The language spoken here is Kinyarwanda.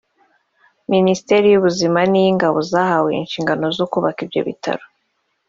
Minisiteri y’Ubuzima n’iy’ingabo zahawe inshingano zo kubaka ibyo bitaro